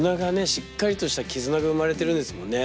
しっかりとした絆が生まれてるんですもんね。